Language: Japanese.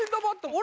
俺！